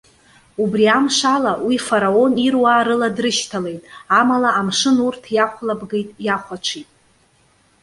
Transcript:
Убри амшала, уи Фараон ируаа рыла дрышьҭалеит, амала амшын урҭ иахәлабгеит, иахәаҽит.